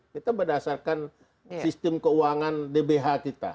kita berdasarkan sistem keuangan dbh kita